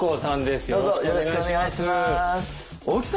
よろしくお願いします。